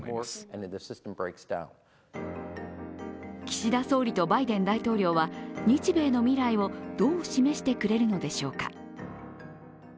岸田総理とバイデン大統領は日米の未来をどう示してくれるのでしょうか。